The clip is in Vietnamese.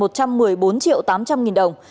một trăm một mươi bốn triệu tám trăm linh nghìn đồng